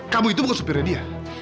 kamu itu bukan supirnya dia